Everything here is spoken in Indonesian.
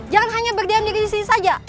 jangan hanya berdiam diri sini saja